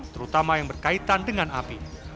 terutama yang berkaitan dengan api